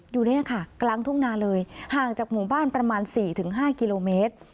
อยู่เนี่ยค่ะกลางทุ่งนาเลยห่างจากหมู่บ้านประมาณ๔๕กิโลเมตร